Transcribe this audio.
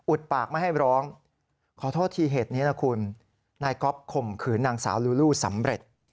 ปากไม่ให้ร้องขอโทษทีเหตุนี้นะคุณนายก๊อฟข่มขืนนางสาวลูลูสำเร็จ